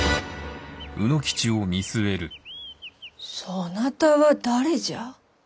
そなたは誰じゃ？